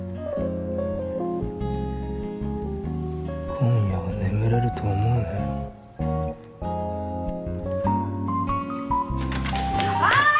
今夜は眠れると思うなよはーい！